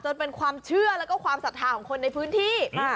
เป็นความเชื่อแล้วก็ความศรัทธาของคนในพื้นที่